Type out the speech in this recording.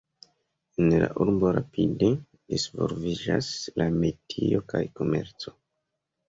En la urbo rapide disvolviĝas la metio kaj komerco.